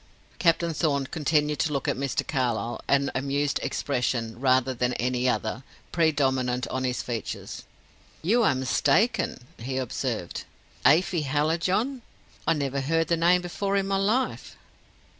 Captain Thorn continued to look at Mr. Carlyle, an amused expression, rather than any other, predominant on his features. "You are mistaken," he observed. "Afy Hallijohn? I never heard the name before in my life."